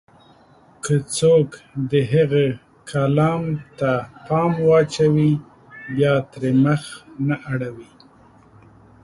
که څوک د هغه کلام ته پام واچوي، بيا ترې مخ نه اړوي.